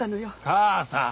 母さん。